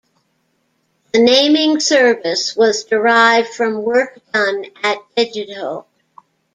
The naming service was derived from work done at Digital.